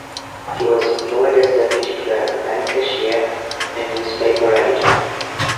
He was employed as deputy clerk, bank cashier, and newspaper editor.